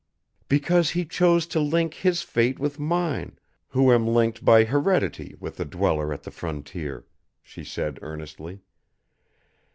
"Because he chose to link his fate with mine, who am linked by heredity with the Dweller at the Frontier," she said earnestly.